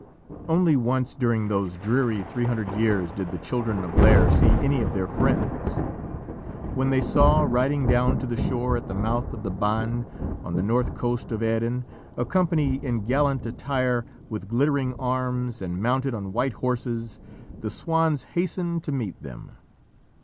Only once during those dreary three hundred years did the children of Lîr see any of their friends. When they saw, riding down to the shore at the mouth of the Bann on the north coast of Erin, a company in gallant attire, with glittering arms, and mounted on white horses, the swans hastened to meet them.